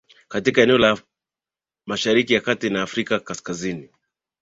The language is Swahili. katika eneo la mashariki ya kati na afrika kaskazini